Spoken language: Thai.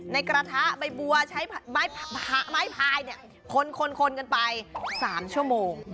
กระทะใบบัวใช้ไม้พายคนกันไป๓ชั่วโมง